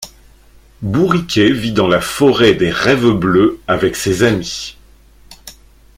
Bourriquet vit dans la Forêt des Rêves Bleus avec ses amis.